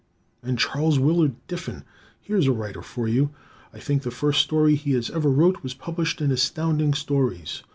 And Charles Willard Diffin! Here's a writer for you. I think the first story he ever wrote was published in Astounding Stories.